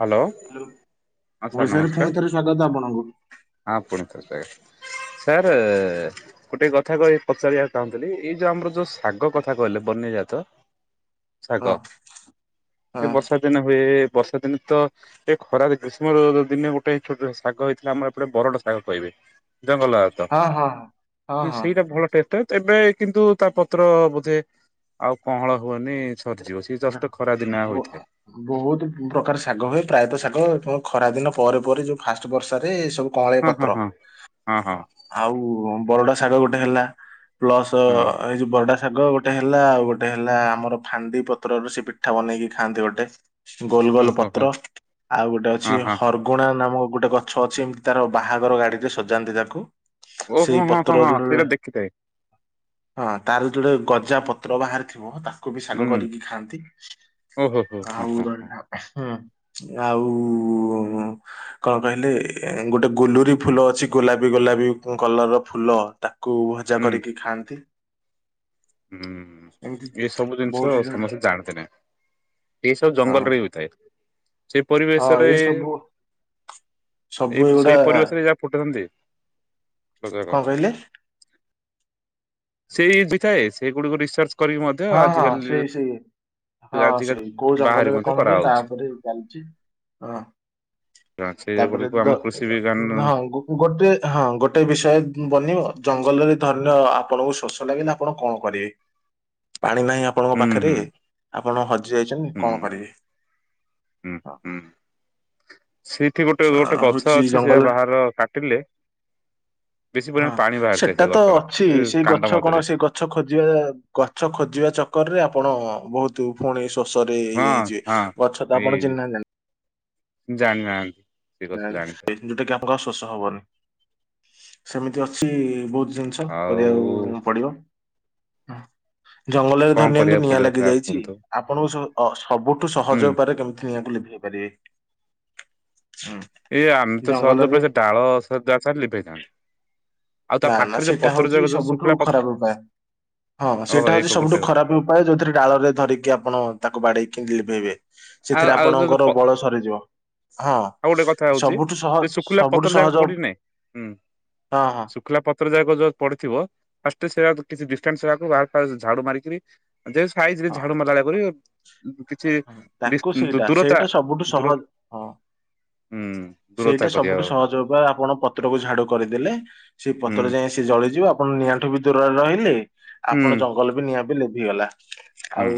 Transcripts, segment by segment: Hello ହଁ sir ଓଡ଼ିଶାରେ ନମସ୍କାର ଫୁଣି ଥରେ ସ୍ଵାଗତ ଆପଣଙ୍କୁ। ହଁ ପୁଣି ଥରେ ସ୍ୱାଗତ। ସାରେ ଗୋଟଟିଏ କଥା କହିବି ପଚାରିବାକୁ ଚାହୁଁଥିଲି। ଏଇ ଯୋଉ ଆମର ଯୋଉ ଶାଗ କଥା କହିଲେ ବନ୍ୟଜାତ ଶାଗ। ହଁ ହଁ ଏ ବର୍ଷା ଦିନେ ହୁଏ। ବର୍ଷା ଦିନେ ତ ଏ ଖରାରେ ଗ୍ରୀଷ୍ମ ଦ ଦ ଦିନେ ଗୋଟେ ଛୋଟ ଶାଗ ହେଇଥିଲା। ଆମ ଏପଟେ ବରଡା ଶାଗ କହିବେ। ଜଙ୍ଗଲ ଜାତ ହଁ ହଁ ହଁ କିନ୍ତୁ ହଁ ସେଇଟା ଭଲ ଟେଷ୍ଟ ଏବେ କିନ୍ତୁ ତା ପତ୍ର ବୋଧେ ଆଉ କହଁଳ ହବନି ସରିଯିବ ଶୀ ନାଁ ମୋ [unintelligible] ବହୁତ ପ୍ରକାର ଶାଗ ହୁଏ ପ୍ରାୟତଃ ଶାଗ ଖରା ଦିନ ପରେ ପରେ ଯୋଉ ଫାଷ୍ଟ ବର୍ଷାରେ ଏ ସ କଅଁଳିଆ ହଁ ହଁ ପତ୍ର ହଁ ହଁ ଆଉ ବରଡା ଶାଗ ଗୋଟେ ହେଲା ପ୍ଲସ ଏଇ ଯୋ ବରଡା ଶାଗ ଗୋଟେ ହେଲା ଆଉ ଗୋଟେ ହେଲା ଆମର ଫାଣ୍ଡି ପ ପତ୍ରରୁ ସେ ପିଠା ବନେଇକି ଖାଆନ୍ତି ଗୋଟେ ଗୋଲ ଗୋଲ ହଁ ହଁ ଓହୋ ହୋ ପତ୍ର ଆଉ ଗୋଟେ ହଁ ଅଛି ହଁ ହର୍ କୋଣା ନାମକ ଗୋଟେ ଗଛ ଅଛି ଏମିତି ତାର ବାହାଘର ଗାଡିରେ ସଜାନ୍ତି ତାକୁ ଓ ସେଇ ହୋ ହଁ ହଁ ହଁ ପତ୍ର ସେଇଟା ଦେଖିଥାଏ। ହଁ ତାର ଯୋଉଟି ଗଜା ପତ୍ର ବାହାରିଥିବ ତାକୁ ବି ଶାଗ ହୁଁ କରିକି ଖାନ୍ତି ଓହୋ ହୋ ହଁ ଆଉ ହଁ ହଁ ରହିଲା ଉଁ ହୁଁ ଆଉ ଉ କଣ କହିଲେ ଗୋଟେ ଗୋଲୁରି ଫୁଲ ଅଛି ଗୋଲାପି ଗୋଲାପି କଲର ର ଫୁଲ ତାକୁ ଭ ଜା ହୁଁ କରିକି ଖାଆନ୍ତି ହୁଁ। ଏମିତି ଏ ସବୁ ଜିନିଷ ବହୁତ ଜିନି ସମସ୍ତେ ଜାଣନ୍ତି ତେ ନାଇଁ ଏ ସବୁ ଜଙ୍ଗଲରେ ହୋଇଥାଏ। ସେଇ ହଁ ପରିବେଶରେ ଏଇ ସବୁ ସବୁ ଏଇ ଏଇଗୁଡା ସେଇ ପରିବେଶରେ ଯାହା ଫୁଟନ୍ତି ପୋଷାକ କଣ କହିଲେ? ସେଇ ଇବି ଥାଏ ସେଇ ଗୁଡିକୁ ରିସର୍ଚ୍ଚ କରିକି ମଧ୍ୟ ହଁ ହଁ ଆଜିକାଲି ସେଇ ସେଇ। ହଁ ଆଜିକା ସେଇ କୋଉ ବାହାରି ଜଙ୍ଗଲରେ ମଧ୍ୟ କଣ ହୁଏ କରାହଉଛି ତାଉପରେ ଚାଲିଚି ହଁ ସେ ତାପରେ ଗୁଡିକୁ ଆମ ଦ କୃଷି ବିଜ୍ଞାନ ହଁ ଗୁ ଗୋଟେ ହଁ ଗୋଟେ ବିଷୟ ବନିବ ଜଙ୍ଗଲରେ ଧରିନିଅ ଆପଣଙ୍କୁ ଶୋଷ ଲାଗିଲେ ଆପଣ କଣ କରିବେ? ପାଣି ନାହିଁ ଆପଣଙ୍କ ହୁଁ ପାଖରେ ହୁଁ ଆପଣ ହଜି ଯାଇଛନ୍ତି ହୁଁ କଣ କରିବେ? ହୁଁ ହୁଁ। ସେଇଠି ଗୋଟେ ଅ ଗୋଟେ ଗଛ ହଉଛି ଅଛି ଜଙ୍ଗଲ ସେଇଆ ବାହାର କାଟିଲେ ବେଶୀ ହଁ ପରିମାଣ ପାଣି ବାହାରିଥାଏ ସେ ସେଟା ତ ଗଛର। ଅଛି ଏ ସେଇ କାଣ୍ଡ ଗଛ ମଧ୍ୟରେ କଣ ସେଇ ଗ ଗଛ ଖୋଜିବା ଆ ଗଛ ଖୋଜିବା ଚକରରେ ଆପଣ ବହୁତ୍ ତୁ ପୁଣି ଶୋଷରେ ଇଏ ହଁ ହେଇଯିବେ ହଁ ଗଛତ ଆପଣ ଏଇ ଚିହ୍ନି ନାହାନ୍ତି ଜାଣିନାହାନ୍ତି ଜାଣିନାହାନ୍ତି। ସେ କଥା ଜାଣିଥା ଯୋଉଟା କି ଆମର ଶୋସ ହବନି ସେମିତି ଅଛି ବହୁତ ଜିନିଷ ଆଉ କରିବାକୁ ପଡିବ। ଜଙ୍ଗଲରେ ଧରି କଣ ନିଅନ୍ତୁ କରିବାକୁ ନିଆଁ ପଡିବ କାହା ଲାଗିଯାଇଚି କୁହନ୍ତୁ ଆପ ଆପଣଙ୍କୁ ସ ସବୁଠୁ ହୁଁ ସହଜ ଉପାୟରେ କେମିତି ନିଆଁକୁ ଲିଭେଇ ପାରିବେ? ହୁଁ। ଏ ଆମେ ତ ସହଜ ଜଙ୍ଗଲରେ ପାଇଁ ଡାଳ ସହଜ ଆକାର ଲିଭେଇଥାନ୍ତେ। ନା ନା ସେଇଟା ହଉଚି ସବୁଠୁ ଖରାପ ଉପାୟ ହଁ ଓହୋ ସେଇଟା ଏକ ହଉଛି ଗୋଟେ ସବୁଠୁ ହବ ଖରାପ ଉପ [unintelligible] ଯୋଉଥିରେ ଡାଳରେ ଧରିକି ଆପଣ ତାକୁ ବାଡେଇକି ଲିଭେଇବେ। ଆଉ ସେଥିରେ ଆଉ ଯୋଉ ଯୋଉ ପ ଆପଣଙ୍କର ବଳ ସରିଯିବ। ହଁ ଆଉ ଗୋଟେ କଥା ହଉଛି ସବୁଠୁ ସହ ଯେ ଶୁଖିଲା ପତ୍ର ସବୁଠୁ ଯାକ ସହଜ ଉ ଶୁକିଲା ପତ୍ର ଯାକ ଯୋ ପଡିଥିବ ଫାଷ୍ଟ ସେ ଆଗ କିଛି ଡିଷ୍ଟାନ୍ସ ରେ ଆଗ ବାହାର ଫାହର ଝାଡୁ ମାରିକିରି ଯେ ସାଇଜ୍ ରେ ହଁ। ଝାଡୁ ମାରିଲା ଭଳିଆ କରି କିଛି ହଁ ଡିସ୍ ତାକୁ ଦୂ ସେଇଟା ଦୂରତା ସେଇଟା ସବୁଠୁ ଦୂର ସହଜ ହଁ। ହୁଁ। ଦୂରତା ସେଇଟା କରିବା ସବୁଠୁ ଆଉ ସହଜ ଉପାୟ। ଆପଣ ପତ୍ର କୁ ଝାଡୁ କରିଦେଲେ, ସେଇ ହୁଁ ପତର ଯାଇ ସେ ଏ ଜଳିଯିବ। ଆପଣ ନିଆଁଠୁ ବି ଦୂରରେ ରହିଲେ, ହୁଁ ଆପଣ ଜଙ୍ଗଲ ବି ନିଆଁ ବି ଲିଭିଗଲା। ହୁଁ ଆଉ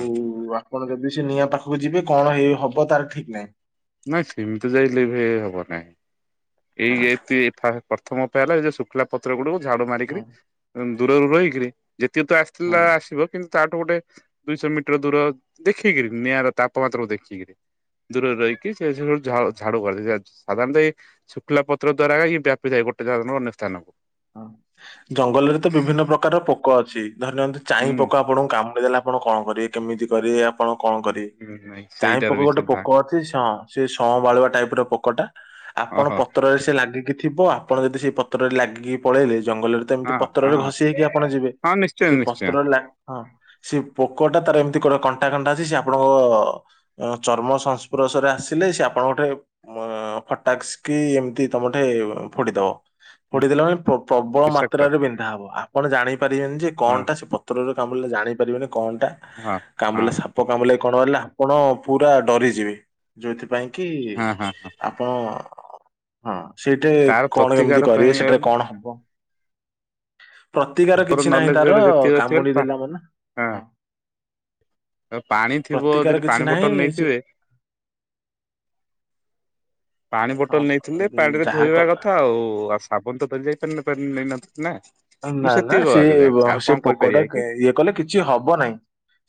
ଆପଣ ଯଦି ସେ ନିଆଁ ପାଖକୁ ଯିବେ କଣ ହେଇ ହବ ତାର ଠିକ ନାହିଁ। ନାଇଁ ସେମିତି ଯାଇ ଲିଭେଇ ହବ ନାହିଁ। ହଁ ଏଇ ଏତି ଏତା ପ୍ରଥମ ଉପାୟ ହେଲା ଯେ ଶୁଖିଲା ପତ୍ର ଗୁଡକୁ ଝାଡୁ ହୁଁ ମାରିକରି, ଉଁ ଦୂରରୁ ରହିକିରି ଯେତିକି ତ ହୁଁ ଆସିଥିଲା ଆସିବ କିନ୍ତ ତାଠୁ ଗୋଟେ ଦୁଇଶହ ମିଟର ଦୂର ଦେଖିକିରି, ନିଆଁର ତାପମାତ୍ରା କୁ ଦେଖିକିରି। ଦୂରରେ ରହିକି ସେ ସବୁକୁ ଝା- ଝାଡୁ କରିଦେବେ ସାଧାରଣତଃ ଏଇ ସୁଖିଲା ପତ୍ର ଦ୍ଵାରା ଇଏମିତିଆ ଆପେଯାଏ ଗୋଟେ ଧାରଣରୁ ଅନ୍ୟ ସ୍ଥାନ କୁ। ଜଙ୍ଗଲରେ ତ ବିଭିନ୍ନ ପ୍ରକାର ପୋକ ଅଛି। ଧରିନିଅନ୍ତୁ ଚାଇଁ ହୁଁ ପୋକ ଆପଣଙ୍କୁ କାମୁଡି ଦେଲା। ଆପଣ କଣ କରିବେ? କେମିତି କରିିବେ? ଆପଣ କଣ କରିବେ? ହୁଁ ନାଇଁ ଚାଇଁ ସେଇଟାର ପୋକ ବି ଗୋଟେ ସେଧା ପୋକ ଅଛି। ହଁ ସେ ସଂବାଳୁଆ ଟାଇପର ପୋକ ଟା। ଆପଣ ଓହୋ ପତ୍ରରେ ସେ ଲାଗିକି ଥିବ। ଆପଣ ଯଦି ସେଇ ପତ୍ରରେ ଲାଗିକି ପଳେଇଲେ, ଜଙ୍ଗଲରେ ତ ଏମିତି ହଁ ପତ୍ରରେ ହଁ ଘଷି ହେଇକି ଆପଣ ଯିବେ। ହଁ ନିଶ୍ଚୟ ସେ ନିଶ୍ଚୟ ପତ୍ରରେ ଲା- ହଁ ସେ ପୋକ ଟା ତାର ଏମିତି କଣ କଣ୍ଟା କଣ୍ଟା ଅଛି ସେ ଆପଣଙ୍କ ଅଁ ଚର୍ମ ସଂସ୍ପର୍ଶରେ ଆସିଲେ ସେ ଆପଣଙ୍କ ଗୋଟେ ମ ଅଁ ଫଟାକ୍ସ କି ଏମିତି ତମଠେ ଫୋଡିଦବ ଫୋଡିଦେଲା ମାନେ ପ୍ର ପ୍ରବଳ ବିଷାକ୍ତ ମାତ୍ରାରେ ବିନ୍ଧା ହବ। ଆପଣ ଜାଣିପାରିବେନି ଯେ କଣ ହଁ ଟା ସେ ପତ୍ରରେ କାମୁଡ଼ିଲେ ଜାଣି ପାରିବେନି କଣ ଟା ହଁ ହଁ କାମୁଲା? ସାପ ପ କାମୁଡିଲା କଣ ହେଲା ଆପଣ ପୁରା ଡରିଯିବେ। ଯୋଉଥିପାଇଁ କି ହଁ ହଁ ଆପଣ ହଁ। ସେଇଟେ ତାର କଣ ପ୍ରତିକାର କେମିତି କରିବେ? ପାଇଁ ସେଟାରେ କଣ ହବ? ପ୍ରତିକାର କିଛି ନାହିଁ ନଲେଜ ତାର ଯେତିକି ଅଛି ବୋଲି କାମୁଡି ପା ଦେଲା ମାନେ, ହଁ ହୁଁ। ପାଣି ଥିବ ପ୍ରତିକାର ଯଦି କିଛି ପାଣି ନାହିଁ ବୋଟଲ ସେ ନେଇଥିବେ ପାଣି ବୋଟଲ ହଁ ନେଇଥିଲେ ପାଣିରେ ଯାହା ଧୋଇବା କଲା କଥା ଆଉ। ଆସ ଆପଣ ତ ପାରି ଯାଇପାରିନ ପାରି ନେଇ ନ ନା। ମୁଁ ନା ନା ସେତିକି ଆଗ ସିଏ ବ ଜାଣିଛି ଆଉ ସେ କଣ ପୋକ ଟା କରିପାରିବା କି କେଁ ଇଏ କଲେ କିଛି ହବ ନାହିଁ।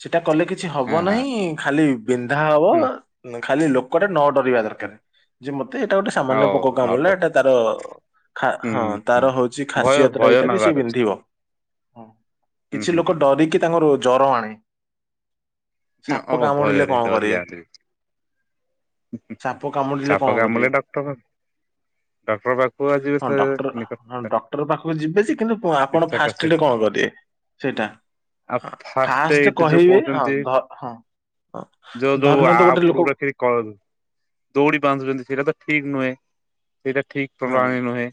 ସେଟା କଲେ କିଛି ହଁ ହବ ହଁ ନାହିଁ। ଖାଲି ବିନ୍ଧା ହବ। ହୁଁ ଖାଲି ଲୋକଟା ନ ଡରିବା ଦର ହୁଁ ରକାର। ଯେ ମତେ ଏଇଟା ଗୋଟେ ସାମାନ୍ୟ ହଉ ପୋକ ନର୍ଭ କାମୁଡ଼ିଲା ଏଟା ତାର ଖା, ହୁଁ ହଁ ହୁଁ ତାର ହୁଁ ହଉଛି ଭୟ ଖାସିୟତ ଟା ଭୟ ଏଇଟ ଟା ବି ସେ ନବାର ଅଛି ବିନ୍ଧିବ। ହୁଁ କିଛି ହୁଁ ଲୋକ ହୁଁ ଡରିକି- ତାଙ୍କର ଜର ଆଣେ। ଓ ସାପ କାମୁଡିଲେ ଭୟରେ କଣ ଡରି କରିବେ? ଯାଆନ୍ତି। ସାପ କାମୁଡ଼ିଲେ ସାପ କଣ କାମୁଡ଼ିଲେ କରିବେ? ଡକ୍ଟର ଡକ୍ଟର ପାଖକୁ ଯିବେ ହଁ ସେ ଡକ୍ଟର, ନିକଟ ହଁ ଡକ୍ଟର ପାଖକୁ ଯିବେ ଯେ କିନ୍ତୁ ହଁ ଆପଣ ଶିକ୍ଷକ ଫାଷ୍ଟଆଡ଼ କଣ କରିବେ? ସେଇଟା ଆଉ ହଁ ଫାଷ୍ଟ ଏଇଟ ଯୋଉ କହିବେ ହଁ କହୁଛନ୍ତି ଧ ହଁ ହଁ ଧରିନିଅନ୍ତୁ ଗୋଟେ ଲୋକକୁ ଠିକ କରନ୍ତୁ। ଦଉଡ଼ି ବାନ୍ଧୁଛନ୍ତି ସେଇଟା ତ ଠିକ ନୁହେଁ। ସେଇଟା ଠିକ ନାଇଁ ପ୍ରଣାଳୀ ନୁହେଁ।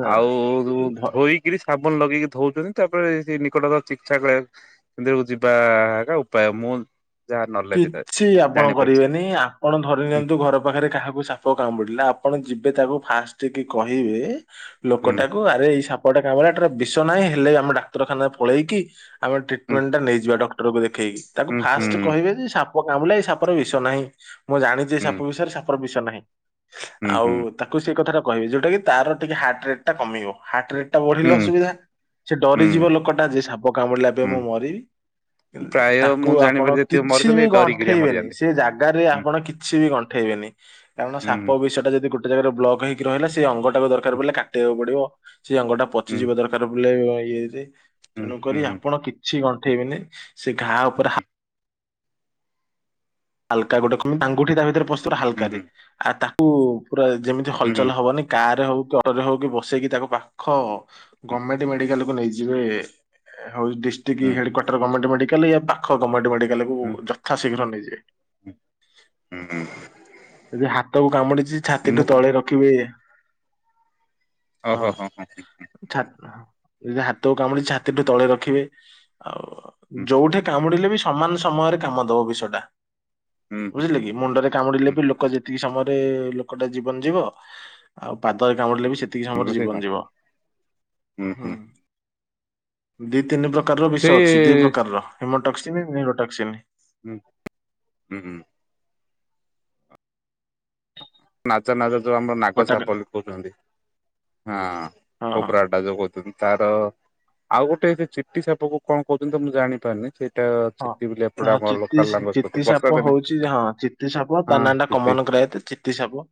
ନା ଆଉ ଯୋଉ ଧ ଧୋଇ କିରି ସାବୁନ ଲଗେଇକି ଧଉଛନ୍ତି। ତାପରେ ସେ ନିକଟବର୍ତ୍ତି ଚିକିତ୍ସା କରିବା ମନ୍ଦିରକୁ ଯିବା ଏକା ଉପାୟ। ମୁଁ- ଯାହା ନଲେଜରେ କିଛି ଆପଣ ଜାଣିପାଇଛି କରିବେନି। ଆ ପଣ ଧରି ହୁଁ ନିଅନ୍ତୁ ଘର ପାଖରେ କାହାକୁ ସାପ କାମୁଡିଲା, ଆପଣ ଯିବେ ତାକୁ ଫାଷ୍ଟ କି କହିବେ ହୁଁ ଲୋକଟାକୁ ଆରେ ଏଇ ସାପଟା କାମୁଡ଼ିଲା। ଏଟାର ବିଷ ନାହିଁ, ହେଲେ ଆମ ଡାକ୍ତରଖାନା ପଳେଇକି ଆମେ ଟ୍ରିଟମେଣ୍ଟ ଟା ନେଇଯିବା ଡକ୍ଟରକୁ ଦେଖେଇକି। ତାକୁ ହୁଁ ହୁଁ ଫାଷ୍ଟ ଯଦି ସାପ କାମୁଡିଲା ଏଇ ସାପର ବିଷ ନାହିଁ। ମୁଁ ଜାଣିଛି ଏଇ ହୁଁ ସାପ ବିଷୟରେ ସାପର ବିଷ ନାହିଁ। ହୁଁ ହୁଁ ଆଉ ହୁଁ ତାକୁ ସେ କଥା ଟା କହିବେ। ଯୋଉଟା କି ତାର ଟିକେ ହାର୍ଟ ରେଟ୍ ଟା କମିବ। ହାର୍ଟ ରେଟ- ଟା ହୁଁ ବଢିଲେ ଅସୁବିଧା। ସେ ଡରିଯିବ ଲୋକଟା ଯେ ସାପ କାମୁଡ଼ିଲା ଏବେ ହୁଁ ମୁଁ ହୁଁ ମରିବି। ଉ ପ୍ରାୟ ତାକୁ ମୁଁ ଆପଣ ଜାଣିବାରେ ଯେତିକି କିଛି ମରିଛନ୍ତି ବି ଏ ଡରିକିରିଆ ଗଣ୍ଠେଇବେନି ମରିଯାନ୍ତି। ସେ ଜାଗାରେ ହୁଁ ଆପଣ କିଛି ବି ଗଣ୍ଠେଇବେନି କାରଣ ସାପ ହୁଁ ବି ବିଷ ଟା ଯଦି ଗୋଟେ ଜାଗାରେ ବ୍ଲକ ହେଇକି ରହିଲା ସେ ଅଙ୍ଗଟା ଦରକାର ପଡ଼ିଲେ କାଟେଇବାକୁ ପିଡିବ ସେଇ ଅଙ୍ଗଟା ହୁଁ ପଚିଯିବ ଦରକ ଦର ବୁଲେଇବ ଇଏ ଯେ ହୁଁ ତେଣୁ କରି ହୁଁ ଆପଣ କିଛି ଗଣ୍ଠେଇବେନି ସେ ଘା ଉପରେ ହା ହାଲକା ଗୋଟେ ଖୁ ତାଙ୍କ ଆଙ୍ଗୁଠି ତା ଭିତରେ ପଶୁଥିବ ହୁଁ ହାଲକାରେ ହୁଁ ଆ ତାକୁ ପୁରା ଯେମିତି ହୁଁ ହଲଚଲ ହବନି। କାରେ ହଉ କି ଅଟୋରେ ହଉ କି ବସେଇକି ତାକୁ ପାଖ ହୁଁ ହୁଁ ଗଭର୍ଣମେଣ୍ଟ ମେଡିକାଲକୁୁ ନେଇଯିବେ। ହଉ ଡିଷ୍ଟ୍ରିକ୍ ହେଡ ହୁଁ କ୍ୱାର୍ଟରର ଗଭମେଣ୍ଟ ମେଡ଼ିକାଲେ ୟା ପାଖ ଗଭମେଣ୍ଟ ମେଡିକାଲକୁୁ ହୁଁ ଯ ଥା ଶୀଘ୍ର ନେଇଯିବେ। ହୁଁ ଯଦି ହାତକୁ କାମୁଡିଛି ଛାତିଠୁ ମୁଁ ତଳେ ରଖିବେ। ଓ ହୋ ହଁ ହଁ ହଁ ହଁ ଛାତ ଯଦି ହାତକୁ କାମୁଡିଛି ଛାତି ଠୁ ତଳେ ରଖିବେ। ଆଉ ହୁଁ ଯୋଉଠି କାମୁଡିଲେ ବି ସମାନ ସମୟରେ କାମ ଦବ ବିଷଟା। ବୁଝିଲେ କି ମୁଣ୍ଡରେ କାମୁଡିଲେ ବି ଲୋକ ଯେତିକି ସମୟରେ ଲୋକଟା ଜୀବନ ଯିବ। ଆଉ ପାଦରେ କାମୁଡିଲେ ବି ସେତିକି ସମୟରେ ଜୀବନ ଯିବ ହୁଁ। ଦି ତିନି ପ୍ରକାରର ବିଷ ଅଛି ଦି ପ୍ରକାରର ହିମୋଟକ୍ସିନ ନିରୋଟକ୍ସିନ। ହୁଁ ହୁଁ ହୁଁ ନାଜା ନାଜା ଯୋ ଆମର ଗୋଟାକ ନାଗସାପ ଲକହୁଛନ୍ତି ହଁ ହଁ କୋବ୍ରା। ଲାଜ କହୁଛନ୍ତି ତାର ଆଉ ଗୋଟେ ବି ଏ ଚିତି ସାପକୁ କଣ କହୁଛନ୍ତି ତ ମୁଁ ଜାଣିପାରୁନି। ସେଇଟା ହଁ ଚିଟି ବୋଲି ଏପଟେ ହାଁ ଆମର ଚିତି ଲୋକାଲ ଲାଙ୍ଗୁଏଜ କହୁଛନ୍ତି ଚିତି ବର୍ଷା ସାପ ଦିନେ ହଉଛି ହଁ ଚିତି ସାପ କୁଅ ହଁ କାନାଣ୍ଡ ଚିଟି କମନ କ୍ରାଏ ତିତି ଚିତି ସାପ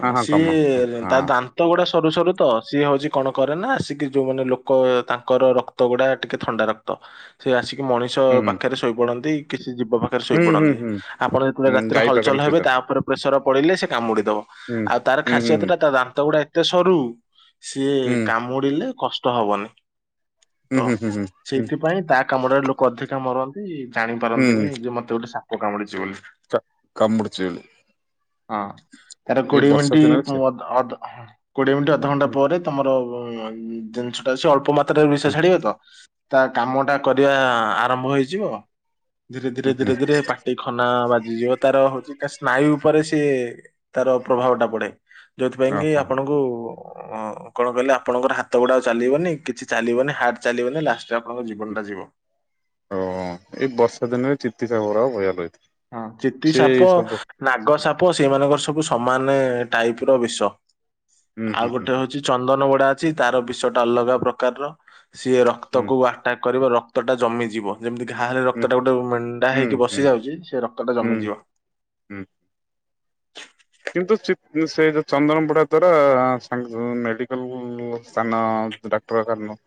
ହଁ ସିଏ ତା ଦାନ୍ତ ଦାନ୍ତ ଗୁଡା ସରୁ ସରୁ ତ ସିଏ ହଉଛି କଣ କରେ ନା ଆସିକି ଯୋଉମାନେ ଲୋକ ତାଙ୍କର ରକ୍ତ ଗୁଡା ଟିକେ ଥଣ୍ଡା ରକ୍ତ ତ ସେ ଆସିକି ମଣିଷ ହୁଁ ପାଖରେ ଶୋଇପଡନ୍ତି କିଛି ଜୀବ ପାଖରେ ହୁଁ ହୁଁ ଶୋଇପଡନ୍ତି। ହୁଁ ଆପଣ ଏକୁଟିଆ ହୁଁ ରାତିରେ ଗାଈ ପାଖରେ ହଲଚଲ ହେବେ ତା ଶୋଇଥାନ୍ତି ଉପରେ ପ୍ରେସର ପଡିଲେ ସେ କାମୁଡିଦବ। ହୁଁ। ଆଉ ତାର ହୁଁ ଖାସ୍ୟତ ହୁଁ ଟା ତା ଦାନ୍ତ ଗୁଡାକ। ଏତେ ସରୁ ସିଏ ହୁଁ କାମୁଡିଲେ କଷ୍ଟ ହବନି। ହୁଁ ତ ହୁଁ ହୁଁ ହୁଁ ସେଇଥିପାଇଁ ତାକ କାମୁଡାରେ ଲୋକ ଅଧିକା ମରନ୍ତି ହୁଁ ଜାଣିପାରନ୍ତିନି ହୁଁ ଯେ ମତେ ଗୋଟେ ସାପ କାମୁଡିଛିି ବୋଲି। ଚ କାମୁୁଡ଼ିଛି ବୋଲି। ହଁ ତାର ଏଇ କୋଡ଼ିଏ ବର୍ଷା ମିିନଟି ଦିନରେ ସେ ଅଧ ଅଧ ହଁ କୋଡିଏ ମିନିଟ ଅଧଘଣ୍ଟା ହୁଁ ପରେ ତମର ଜିନିଷଟା ସେ ଅଳ୍ପ ମାତ୍ରାରେ ବିଷ ହୁଁ ଛାଡିବ ତ। ତା କାମ ଟା କରିବା ଆରମ୍ଭ ହେଇଯିବ ଧୀରେ ଧୀରେ ହୁଁ ହୁଁ ଧୀରେ ଧୀରେ ପାଟ ଟି ଖନା ବାଜିଯିବ ତାର ହଉଛି କା ସ୍ନାୟୁ ଉପରେ ସିଏ ତାର ପ୍ରଭାବଟା ପଡେ। ଯୋଉଥି ପାଇଁକି ଓହୋ ଆପଣଙ୍କୁ କଣ କହିଲେ ଆପଣଙ୍କ ହାତ ଗେଡ ଆଉ ଚାଲିବନି କିଛି ଚାଲିବନି ହାଟ ଚାଲିବନି ଲାଷ୍ଟରେ ଆପଣଙ୍କ ଜୀବନଟା ଯିବ। ଓ ଏଇ ବର୍ଷା ଦିନରେ ଚିତି ସାପ ଗୁଡ଼ା ଭୟ ରହିଥାଏ। ହଁ ଚିତି ସେ ସାପ! ସବୁ ନାଗ ସାପ ସେଇମାନଙ୍କର ସବୁ ସମାନେ ଟାଇପିର ବିଷ। ହୁଁ ଆଉ ହୁଁ ହୁଁ ଗୋଟେ ହୁଁ ହଉଛି ଚନ୍ଦନ ଗୋଡା ଅଛି ତାର ବିଷ ଟା ଅଲଗା ପ୍ରକାରର ସିଏ ହୁଁ ରକ୍ତକୁ ଆ ତାଙ୍କ କରିବ ରକ୍ତଟା ଜମିଯିବ। ଯେମିତି ଘା ହେଲେ ହୁଁ ରକ୍ତ ଟା ଗୋଟେ ମେଣ୍ଡା ହୁଁ ହେଇକି ହୁଁ ବସି ଯାଉଛି। ସେ ରକ୍ତ ଟା ହୁଁ ଜମିଯିବ। ହୁଁ କିନ୍ତୁ ଚିତ ସେ ଯୋଉ ଚନ୍ଦନବୋଡା ଦ୍ଵାରା ସାଙ୍ଗ ମେଡିକାଲକୁ ସ୍ଥାନ ଡାକ୍ତରଖାନ।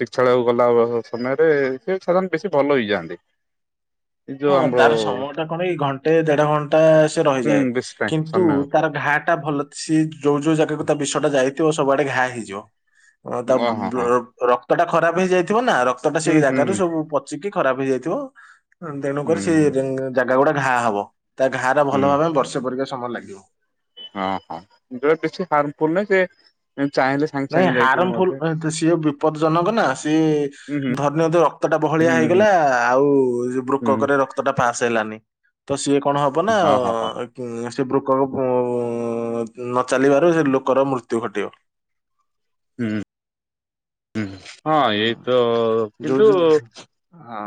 ଚିକ୍ଷାଳୟକୁ ଗଲା ସମୟରେ ସେ ସାଧାରଣ ବେଶୀ ଭଲ ହେଇଯାଆନ୍ତି। ଏ ଯୋଉ ହଁ ଆମର ତାର ସମୟ ଟା କଣ ଏଇ ଘଣ୍ଟେ ଦେଢ ଘଣ୍ଟା ସେ ହୁଁ ରହିଯାଏ ବେଶୀ ଟାଇମ କିନ୍ କିନ୍ତୁ ସମୟ ଉପରେ ତାର ଘା ଟା ଭଲ ସେ ଯୋଉ ଯୋଉ ଜାଗାକୁ ତା ବିଷ ଟା ଯାଇଥିବ ସବୁଆଡେ ଘା ହେଇଯିବ। ହ ତା ଓ ହଁ ବ୍ଲ ହଁ। ରକ୍ତ ଟା ଖରାପ ହେଇଯାଇଥିବ ନା ରକ୍ତ ଟା ହୁଁ ସେଇ ହୁଁ ଜାଗାରୁ ହୁଁ ସବୁ ପ ଚିକି ଖରାପ ହେଇଯାଇଥିବ। ହୁଁ ତେଣୁକରି ସେ ହୁଁ ଯେଗ ଜାଗା ଗୁଡା ଘା ହବ ତା ଘାଆର ହୁଁ ଭଲ ହେବା ପାଇଁ ବର୍ଷେ ପରିକା ସମୟ ଲାଗିବ। ହଁ ହଁ ଯେ ବେଶି ହାର୍ମଫୁଲ ନାହିଁ କେ ସେ ଚାହିଁଲେ। ସାଙ୍ଗେ ନାଇଁ ସାଙ୍ଗେ ଯାଇକିରି ହାରମ ମଧ୍ୟ ଫୁଲ ତ ସିଏ ବିପଦ ଜନକ ନା ସିଏ ହୁଁ ହୁଁ ଧ ନିଅନ୍ତୁ ରକ୍ତ ଟା ବହଳିଆ ହୁଁ ହୁଁ ହେଇଗଲା ଆଉ ହୁଁ ବୃକ କରେ ରକ୍ତ ଟା ପାଶ ହେଲାନି। ତ ସିଏ କଣ ହବ ନା ହଁ ହଁ ହଁ। ଉଁ ସେ ବୃକକ ଉଁ ନ ଚାଲିବାରୁ ସେ ଲୋକର ମୃତ୍ୟୁ ଘଟିବ। ହୁଁ ଉଁ ହଁ ଏଇ ହୁଁ ତ ଯୋଉ କିନ୍ତୁ ଯୋଉ ହଁ।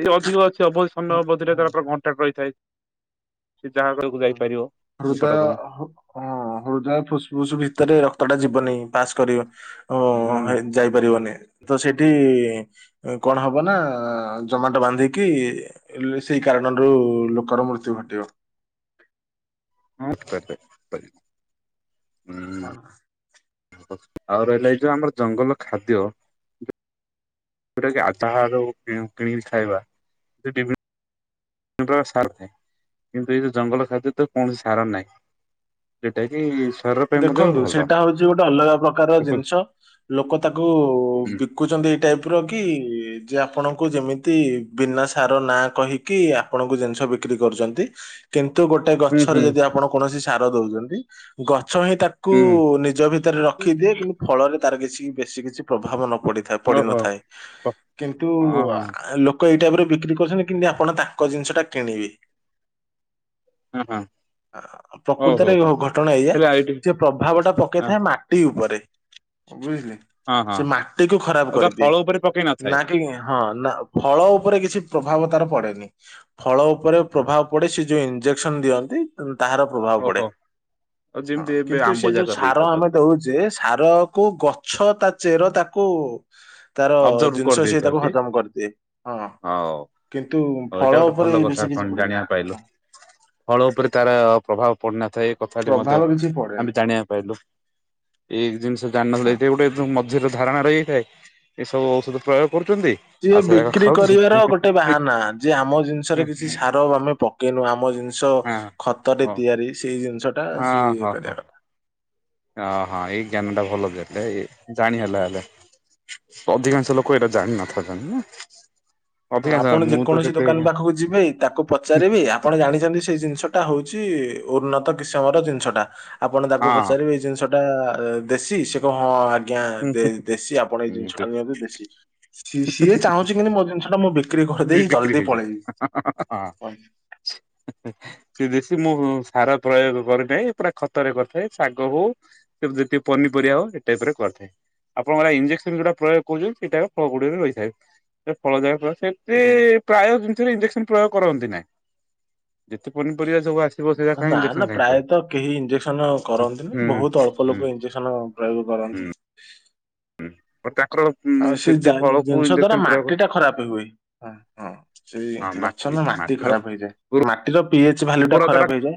ଏଇ ଅଧିକ ଅଛି ଅବଧି ସମୟ ହଁ, ଅବଧିରେ ତାର କଣ୍ଟାକ୍ଟ ହେଇଥାଏ ସେ ଯାହା ଘରକୁ ଯାଇପାରିବ ନିକଟତମ ହୁଁ ହୃଦୟ ଫୁସ୍‌ଫୁସ୍‌ ଭିତରେ ରକ୍ତ ଟା ଯିବନି ପାସ୍ କରିବ ଓ ହୁଁ ହେ ଯାଇପାରିବନି ତ ସେଠି କଣ ହବ ନା ଜମାଟୋ ବାନ୍ଧିକି ଏଲେ ସେଇ କାରଣରୁ ଲୋକର ମୃତ୍ୟୁ ଘଟିବ। ହଁ ତା ତାରି ହଁ। [unintelligible] ହଚ୍ ଆଉ ରହିଲା ଏଇ ଯୋଉ ଆମର ଜଙ୍ଗଲ ଖାଦ୍ୟ। ଯୋଉଟା କି ଆଚାହାର କି କିଣିକିନି ଖାଇବା। ଯେମ୍ ତା ସାର କିନ୍ତୁ ଏଇ ଜଙ୍ଗଲ ଖାଦ୍ୟ ତ କୌଣସି ସାର ନାହିଁ। ସେଟା କି? ଶରୀର ପାଇଁ ମଧ୍ୟ ଦେଖନ୍ତୁ ଭଲ। ସେଇଟା ହଉଛି ଗୋଟେ ଅଲଗା ପ୍ରକାର ହୁଁ ଜିନିଷ ଲୋକ ତାକୁ ବିତ୍‌ ଖୁଛନ୍ତି ଏଇ ଟାଇପ୍ ର କି ଯେ ଆପଣଙ୍କୁ ଯେମିତି ବିନା ସାର ନାଁ କହିି କି ଆପଣଙ୍କୁ ଜିନିଷ ବିକ୍ରି କରୁଚନ୍ତି କିନ୍ତୁ ଗୋଟ୍ ଗୋଟେ ଗଛରେ ହୁଁ ଯଦି ଆପଣ କୌଣସି ସାର ଦଉଚନ୍ତି ଗଛ ହିଁ ତାକୁ ହୁଁ ନିତ୍ ଜ ଭିତରେ ରଖିଦିଏ କିନ୍ତୁ ଫଳରେ ତାର କିଛି ବେଶୀ କିଛି ପ୍ରଭାବ ନ ପଡେ। ଓହୋ ପଡିିନଥାଏ ଓହୋ କିନ୍ତୁ ଲୋକ ଲୋକ ଏଇ ଟାଇପ୍ ରେ ବିକ୍ରି କରୁଛନ୍ତି କିନ୍ତି ଆପଣ ତାଙ୍କ ଜିନିଷଟା କିଣିବେ। ହଁ ହଁ। ହଁ ହଁ ହଉ ହଉ ପ୍ରକୃତରେ ହଉ ଘଟଣା ଏୟା ହେଲେ ଏଇଠି ସେ ପ୍ରଭାବ ଟା ହଁ ପକେଇଥାଏ ମାଟି ଉପରେ ବୁଝିଲି। ହଁ ହଁ ସେ ମାଟିକୁ ଖରାପ୍ ଆଉ ତା କରିଦିଏ ଫଳ ଉପରେ ପକେଇ ନଥାଏ। ନା କି ହଁ ନା ଫଳ ଉପରେ କିଛି ପ୍ରଭାବ ତାର ପଡେନି ଫଳ ଉପରେ ପ୍ରଭାବ ପଡେ ସେ ଯୋ ଏମ୍ ଇଞ୍ଜେକ୍ସନ ଦିଅନ୍ତି ତାହାର ପ୍ରଭାବ ପଡ଼େ ଓହୋ ଆଉ ହଁ ଯେମିତି ଏବେ କିନ୍ତୁ ଆମ୍ବ ସେ ଯା ଯୋ କରି ସାର ଦେଇଥାଉଛନ୍ତି। ଆମେ ଦେଉଚେ ସାାରକୁ ଗଛ ତା ଚେର ତାକୁ ତାର ଅବଜର୍ଭ ଜିନିଷ ସିଏ ତାକୁ କରିଦେଇଛନ୍ତି ହଜମ କରିଦିଏ ହଁ। ହଉ। କିନ୍ତୁ ହଉ ଏଇଟା ଫଳ ଗୋଟେ ଭଲ ଉପରେ କଥା ବେଶୀ ଶୁଣି କିଛି ପଡ଼େନା ଜାଣିବାକୁ ପାଇଲୁ ଫଳ ଉପରେ ତାର ପ୍ରଭାବ ପଡିିନଥାଏ ଏ କଥାଟି ମଧ୍ୟ ପ୍ରଭାବ କିଛି ପଡେନି ଆମେ ଜାଣିବାକୁ ପାଇଲୁ। ଏଗ୍ ଜିନିଷ ହଁ। ଜାଣିନଥିଲେ ଏଇଠେ ଗୋଟେ ମଝିରେ ଧାରଣା ରହିଯାଇଥାଏ। ଏସବୁ ଔଷଧ ପ୍ରୟୋଗ କରୁଚ଼ନ୍ତି ଯିଏ ବିକ୍ରି କରିବାର ଗୋଟେ ବାହାନା ଯେ ଆମ ଜିନିଷରେ ହଁ କିଛି ସାର ଆମେ ପ କେନୁ ଆମ ଜିନିଷ ହଁ। ଖତରେ ହଁ ତିଆରି ସେଇ ଜିନିଷ ଟା ସେ ଇଏ କରିବା କଥା। ଅହଁ ଏଇ ଜ୍ଞାନ ଟା ଭଲ ଦେଲେ ଏ ଜାଣି ହେଲା ହେଲେ ଅଧିକାଂଶ ଲୋକ ଏଇଟା ଜାଣିନଥାନ୍ତା ନା ହଁ ଅଧିକାଂଶ ଆପଣ ମୁଁ ତ ଯେକୌଣସି ସେତେ ଦୋକାନ ପାଖକୁ ଯିବେ ତାକୁ ପଚାରିବେ ୟା ଆପଣ ଜାଣିଛନ୍ତି ସେଇ ଜିନିଷଟା ହଉଛି ଉନ୍ନତ କିସମ ର ଜିନିଷଟା ଆପଣ ତାକୁ ହଁ ପଚାରିବେ ଏଇ ଜିନିଷ ଟା ଦେଶୀ ସେ କହିଅ ହଁ ଆଜ୍ଞା ହୁଁ ଦେ ଦେଶୀ ଆପଣ ଏଇ ଜିନିଷ ଟା ହୁଁ ନିଅନ୍ତୁ ଦେଶୀ ସିଏ ଚାହୁଁଛି କିନ୍ତୁ ମୋ ଜିନିଷ ଟା ମୁଁ ବି ବି ବିକ୍ରି ହେଇଯାଏ। ପଳେଇବି ସିଏ ଦେଶି ମୁଁ ସାର ପ୍ରୟୋଗ କରିଥାଏ ପୁରା ଖତରେ କରିଥାଏ ଶାଗ ହଉ କି ଯେତିି ପନି ପରିବା ହଉ ଏ ଟେଇପ ରେ କରିଥାଏ। ଆପଣ ଆଡ଼େ ଇଞ୍ଜେକ୍ସନ୍ ଯୋଉଟା ପ୍ରୟୋଗ କରୁଚନ୍ତି ସେଇଟା ଫଳ ଗୁଡିକରେ ରହିଥାଏ ସେ ଫଳ ଦେବା ଫ ସେ ସେ ପ୍ରାୟ ଜିନିଷରେ ଇଞ୍ଜେକ୍ସନ ପ୍ରୟୋଗ କରନ୍ତି ନାହିଁ ଯେତେ ପନିପରିବା ସବୁ ଆସେ ନା ନା ପ୍ରାୟତ କେହି ଇଞ୍ଜେକ୍ସନ କରନ୍ତିନି ହୁଁ ବହୁତ ଅଳ୍ପ ହୁଁ ଲୋକ ଇଞ୍ଜେସ ଣ ପ୍ରୟୋଗ କରନ୍ତି। ହୁଁ ମ ତାଙ୍କର ଆଉ ସେ ସେତି ଜିନିଷ ଫଳକୁ ଦ୍ୱାରା ଇଞ୍ଜେକ୍ସନ ପ୍ରୟୋଗ ମାଟି ଟା ଖରାପ ହଏ ହଁ ସେଇ ହଁ ଗଛ ନା ମାଟି ମାଟିର ଖରାପ ହେଇଯାଏ ମାଟିର ପି ଏଚ ଭାଲ୍ୟୁ ଟା ଉର୍ବରତା ଖରାପ ହେଇଯାଏ।